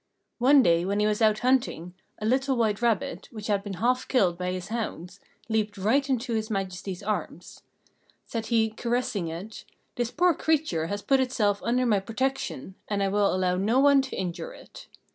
One day when he was out hunting, a little white rabbit, which had been half killed by his hounds, leaped right into His Majesty's arms. Said he, caressing it, "This poor creature has put itself under my protection, and I will allow no one to injure it."